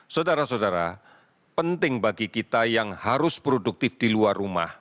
saudara saudara penting bagi kita yang harus produktif di luar rumah